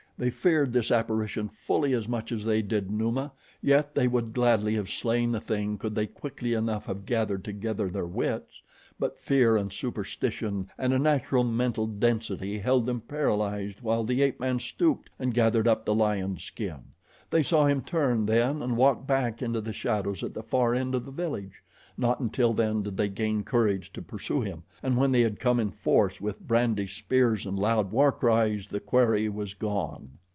They feared this apparition fully as much as they did Numa, yet they would gladly have slain the thing could they quickly enough have gathered together their wits; but fear and superstition and a natural mental density held them paralyzed while the ape man stooped and gathered up the lion skin. They saw him turn then and walk back into the shadows at the far end of the village. Not until then did they gain courage to pursue him, and when they had come in force, with brandished spears and loud war cries, the quarry was gone.